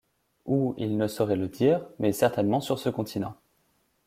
Où, il ne saurait le dire, mais certainement sur ce continent.